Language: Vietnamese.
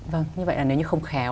vâng như vậy là nếu như không khéo